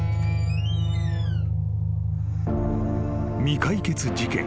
［未解決事件。